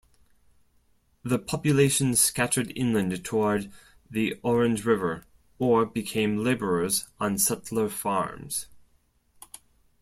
The population scattered inland toward the Orange River or became laborers on settler farms.